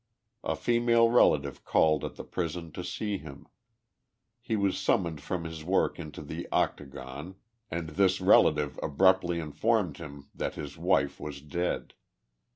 A female relative called at the # prison to see him. He was summoned from his work into the oc tagon, and this relative abruptly informed him that his wife was dead.